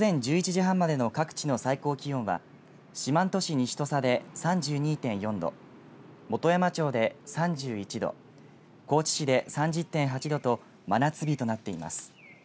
午前１１時半までの各地の最高気温は四万十市西土佐で３２．４度本山町で３１度高知市で３０．８度と真夏日となっています。